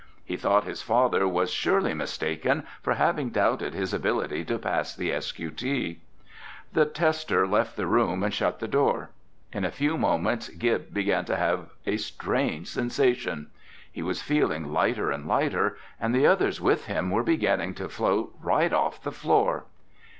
He thought his father was surely mistaken for having doubted his ability to pass the S.Q.T. The tester left the room and shut the door. In a few moments Gib began to have a strange sensation. He was feeling lighter and lighter, and the others with him were beginning to float right off the floor!